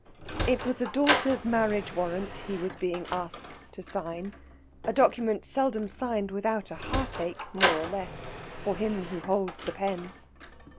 It was a daughter's marriage warrant he was being asked to sign; a document seldom signed without a heartache, more or less, for him who holds the pen.